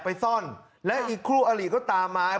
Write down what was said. กูชมเห็นคู่หลีมันตามเข้าไปแทง๒